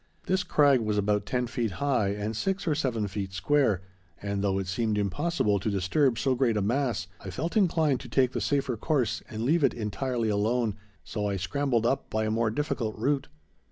This crag was about ten feet high and six or seven feet square, and though it seemed impossible to disturb so great a mass, I felt inclined to take the safer course and leave it entirely alone, so I scrambled up by a more difficult route.